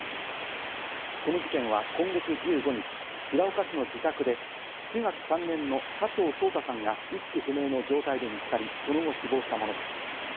この事件は今月１５日、白岡市の自宅で中学３年の加藤颯太さんが意識不明の状態で見つかり、その後、死亡したものです。